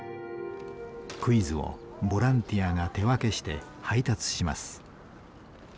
クイズをボランティアが手分けして配達します。